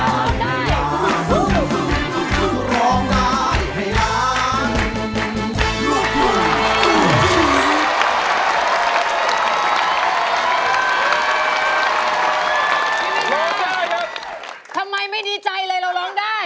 ยินดีมากครับทำไมไม่ดีใจเลยเราร้องได้